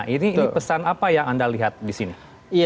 ini pesan apa yang anda lihat di sini